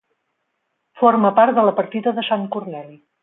Forma part de la Partida de Sant Corneli.